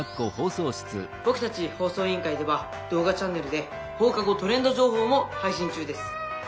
僕たち放送委員会では動画チャンネルで『放課後トレンド情報』も配信中です」。